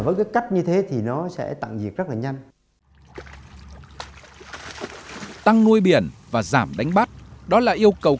bắt như thế thì nó sẽ tặng việc rất là nhanh tăng nuôi biển và giảm đánh bắt đó là yêu cầu